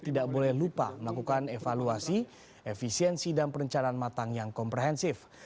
tidak boleh lupa melakukan evaluasi efisiensi dan perencanaan matang yang komprehensif